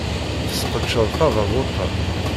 Tesqedceḍ tadabut-a.